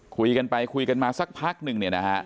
คุยกันไปคุยกันมาสักพักหนึ่งเนี่ยนะฮะ